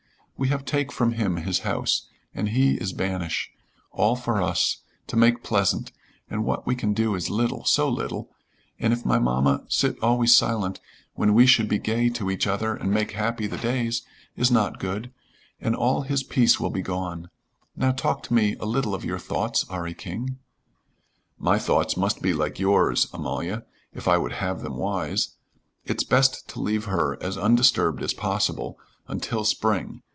We have take from him his house, and he is banish all for us, to make pleasant, and what we can do is little, so little and if my mamma sit always silent when we should be gay to each other and make happy the days, is not good, and all his peace will be gone. Now talk to me a little of your thoughts, 'Arry King." "My thoughts must be like yours, Amalia, if I would have them wise. It's best to leave her as undisturbed as possible until spring.